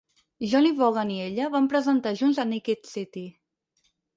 Johnny Vaughan i ella van presentar junts a "Naked City".